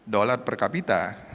dolar per kapita